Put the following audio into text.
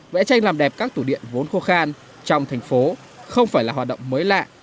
vẽ tranh làm đẹp các tủ điện vốn khô khan trong thành phố không phải là hoạt động mới lạ